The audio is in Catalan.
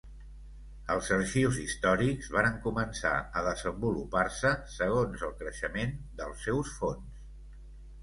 Els arxius històrics varen començar a desenvolupar-se segons el creixement dels seus fons.